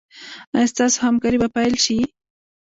ایا ستاسو همکاري به پیل شي؟